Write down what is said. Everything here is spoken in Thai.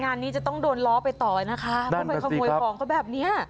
งานนี้จะต้องโดนล้อไปต่อนะคะเพราะมันขโมยฟองก็แบบนี้